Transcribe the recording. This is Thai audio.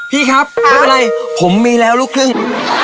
พี่ครับไม่เป็นไรผมมีแล้วลูกครึ่ง